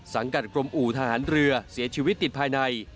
สังกัดกรมอู่ทหารเรือเสียชีวิตติดภายใน